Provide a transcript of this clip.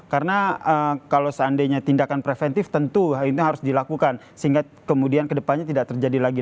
karena kalau seandainya tindakan preventif tentu hal itu harus dilakukan sehingga kemudian kedepannya tidak terjadi lagi